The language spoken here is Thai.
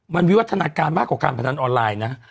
ขนาดการณ์มากกว่าการผนันออนไลน์นะ